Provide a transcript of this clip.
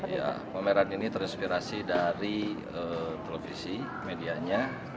jadi pameran ini terinspirasi dari televisi medianya